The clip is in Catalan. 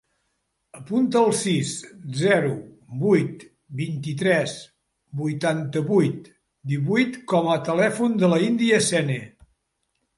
Apunta el sis, zero, vuit, vint-i-tres, vuitanta-vuit, divuit com a telèfon de l'Índia Sene.